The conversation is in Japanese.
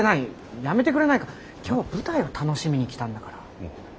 やめてくれないか今日は舞台を楽しみに来たんだから。